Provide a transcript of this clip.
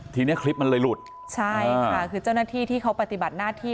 เนี้ยคลิปมันเลยหลุดใช่ค่ะคือเจ้าหน้าที่ที่เขาปฏิบัติหน้าที่